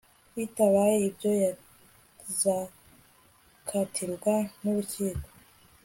Bitabaye ibyo yazakatirwa nurukiko